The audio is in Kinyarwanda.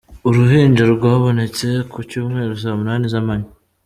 Uruhinja rwabonetse ku cyumweru saa munani z’amanywa.